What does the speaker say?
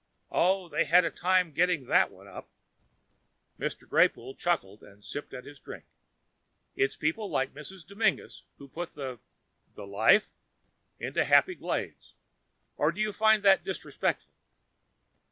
Oh, they had a time putting that one up!" Mr. Greypoole chuckled and sipped at his drink. "It's people like Mrs. Dominguez who put the the life? into Happy Glades. Or do you find that disrespectful?"